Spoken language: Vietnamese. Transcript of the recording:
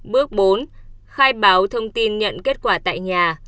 bước bốn khai báo thông tin nhận kết quả tại nhà